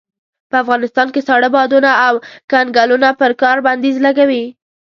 په افغانستان کې ساړه بادونه او کنګلونه پر کار بنديز لګوي.